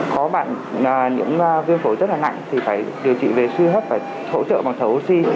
có bạn những viêm phổi rất là nặng thì phải điều trị về suy hấp và hỗ trợ bằng thẩm oxy